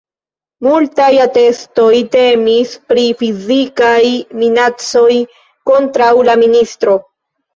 Multaj atestoj temis pri fizikaj minacoj kontraŭ la ministro.